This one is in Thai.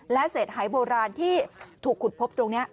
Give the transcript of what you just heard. และเศษหายโบราณที่ถูกขุดพบตรงนี้